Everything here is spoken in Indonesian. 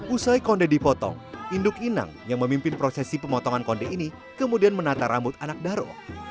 usai konde dipotong induk inang yang memimpin prosesi pemotongan konde ini kemudian menata rambut anak daro